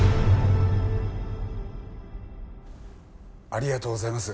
ありがとうございます。